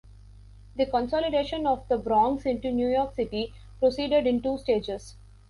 The consolidation of the Bronx into New York City proceeded in two stages.